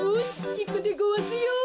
いくでごわすよ。